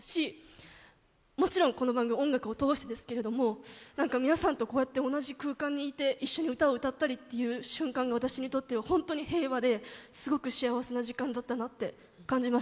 もちろんこの番組音楽を通してですけれども何か皆さんとこうやって同じ空間にいて一緒に歌を歌ったりっていう瞬間が私にとってはほんとに平和ですごく幸せな時間だったなって感じました。